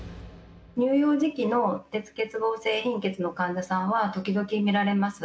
乳幼児期の鉄欠乏性貧血の患者さんは時々、見られます。